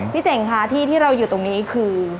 เจ๋งค่ะที่ที่เราอยู่ตรงนี้คือ